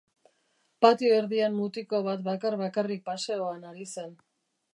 Patio erdian mutiko bat bakar-bakarrik paseoan ari zen.